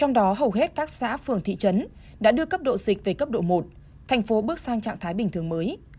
trong đó hầu hết các xã phường thị trấn đã đưa cấp độ dịch về cấp độ một thành phố bước sang trạng thái bình thường mới